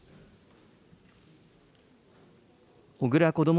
小倉こども